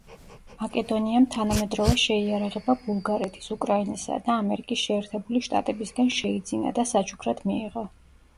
მაკედონიამ თანამედროვე შეიარაღება ბულგარეთის, უკრაინისა და ამერიკის შეერთებული შტატებისგან შეიძინა და საჩუქრად მიიღო.